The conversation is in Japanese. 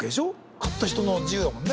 買った人の自由だもんね。